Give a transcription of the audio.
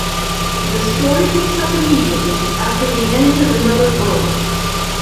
The story picks up immediately after the end of "Another World".